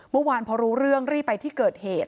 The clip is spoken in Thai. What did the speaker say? เมื่อวานพอรู้เรื่องรีบไปที่เกิดเหตุ